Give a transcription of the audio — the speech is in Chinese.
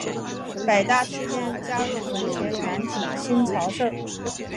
北大期间加入文学团体新潮社。